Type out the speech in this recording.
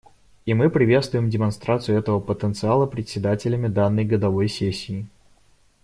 И мы приветствуем демонстрацию этого потенциала председателями данной годовой сессии.